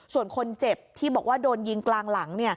ส่วนคนเจ็บที่บอกว่าโดนยิงกลางหลัง